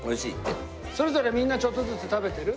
それぞれみんなちょっとずつ食べてる？